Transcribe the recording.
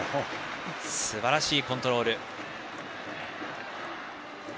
すばらしいコントロール。